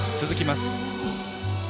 続きます。